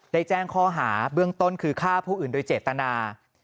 แจ้งข้อหาเบื้องต้นคือฆ่าผู้อื่นโดยเจตนา